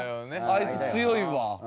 あいつ強いわ。